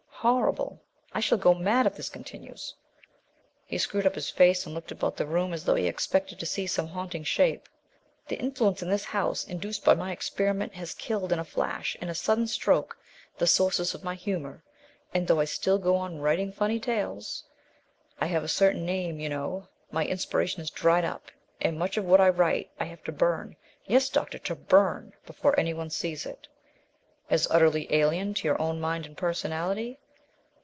Horrible! I shall go mad if this continues." He screwed his face up and looked about the room as though he expected to see some haunting shape. "The influence in this house, induced by my experiment, has killed in a flash, in a sudden stroke, the sources of my humour, and, though I still go on writing funny tales I have a certain name, you know my inspiration has dried up, and much of what I write I have to burn yes, doctor, to burn, before any one sees it." "As utterly alien to your own mind and personality?"